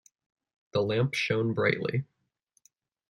The lamp shone brightly.